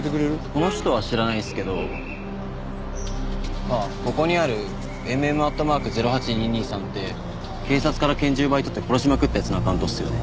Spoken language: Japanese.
この人は知らないっすけどああここにあるＭ．Ｍ＠０８２２さんって警察から拳銃奪い取って殺しまくった奴のアカウントっすよね。